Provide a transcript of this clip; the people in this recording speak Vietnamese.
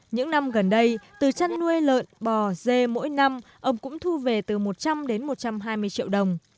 những năm gần đây từ chăn nuôi lợn bò dê mỗi năm ông cũng thu về từ một trăm linh đến một trăm hai mươi triệu đồng